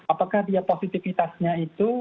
apakah dia positifitasnya itu